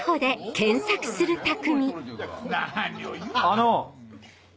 あの！